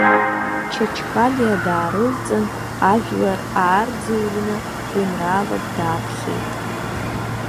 Чачхалиа даарылҵын, ажәлар аарӡырҩны, жәеинраалак даԥхьеит.